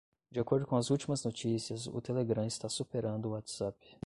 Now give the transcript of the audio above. De acordo com as últimas notícias, o Telegram está superando o WhatsApp